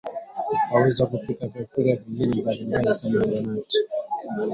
Waweza kupika vyakula vingine mbalimbali kama donati